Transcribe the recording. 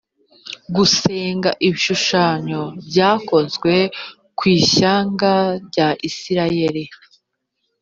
gusenga ibishushanyo byakoze ku ishyanga rya isirayeli